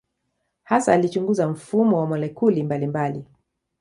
Hasa alichunguza mfumo wa molekuli mbalimbali.